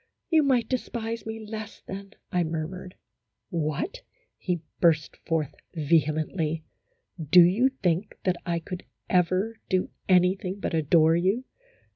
" You might despise me less, then," I murmured. "What," he burst forth, vehemently, "do you A HYPOCRITICAL ROMANCE. 3! think that I could ever do anything but adore you